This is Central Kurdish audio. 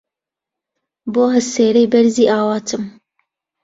بۆ هەسێرەی بەرزی ئاواتم